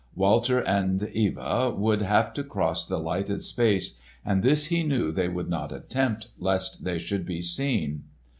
Walter and Eva would have to cross the lighted space, and this he knew they would not attempt, lest they should be seen.